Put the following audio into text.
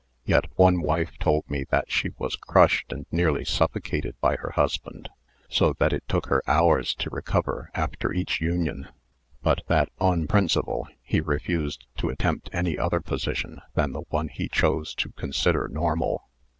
Yet one wife told me that she was crushed and nearly suffocated by her husband, so that it took her hours to recover after each union, but that " on principle " he refused to attempt any other position than the one he chose to consider normal.